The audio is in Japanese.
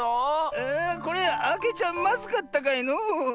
これあけちゃまずかったかのう？